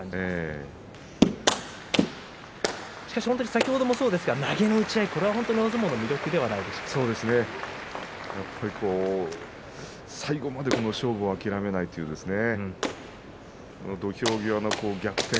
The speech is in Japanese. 先ほどもそうですが投げの打ち合いは大相撲の魅力で最後まで勝負を諦めないこの土俵際の逆転